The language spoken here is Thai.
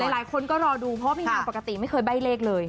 หลายคนก็รอดูเพราะว่าพี่นางปกติไม่เคยใบ้เลขเลย